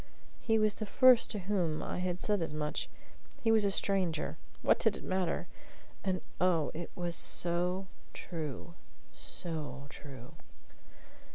He was the first to whom I had said as much. He was a stranger. What did it matter? And, oh, it was so true so true.